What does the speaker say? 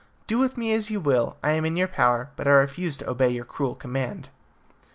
Do with me as you will I am in your power but I refuse to obey your cruel command."